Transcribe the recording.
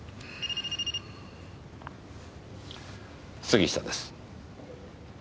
杉下です。